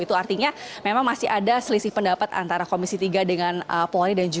itu artinya memang masih ada selisih pendapat antara komisi tiga dengan polri